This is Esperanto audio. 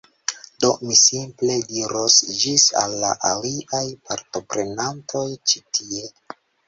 Do, mi simple diros ĝis al la aliaj partoprenantoj ĉi tie